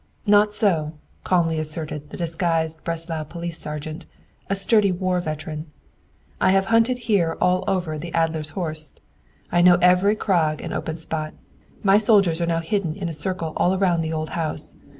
"Not so," calmly answered the disguised Breslau police sergeant, a sturdy war veteran. "I have hunted here all over the Adler's Horst. I know every crag and open spot. My soldiers are now hidden in a circle all around the old house.